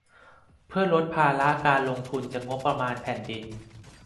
เพื่อลดภาระการลงทุนจากงบประมาณแผ่นดิน